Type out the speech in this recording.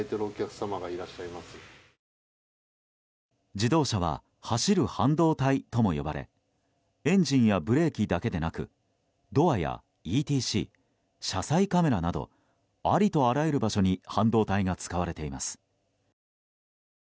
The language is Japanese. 自動車は走る半導体とも呼ばれエンジンやブレーキだけでなくドアやＥＴＣ、車載カメラなどありとあらゆる場所に半導体が使われています。